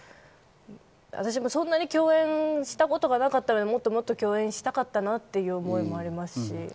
私もそんなに共演したことがなかったので、もっともっと共演したかったなと思いますし。